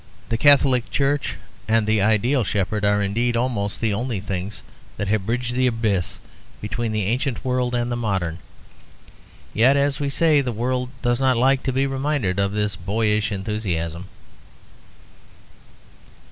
The Catholic Church and the Ideal Shepherd are indeed almost the only things that have bridged the abyss between the ancient world and the modern. Yet, as we say, the world does not like to be reminded of this boyish enthusiasm.